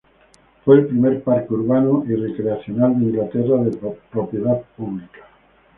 Fue el primer parque urbano y recreacional de Inglaterra de propiedad pública.